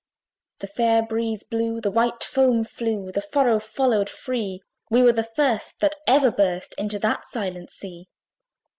The fair breeze blew, the white foam flew, The furrow followed free: We were the first that ever burst Into that silent sea.